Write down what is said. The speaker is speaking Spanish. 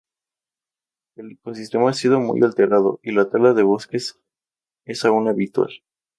El ecosistema ha sido muy alterado, y la tala de bosques es aún habitual.